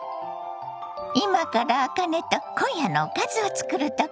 今からあかねと今夜のおかずを作るところよ。